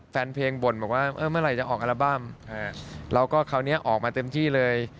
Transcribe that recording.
แฟนเพลงบ่นบอกว่าเมื่อไหร่จะออกอัลบั้มแล้วก็คราวนี้ออกมาเต็มที่เลย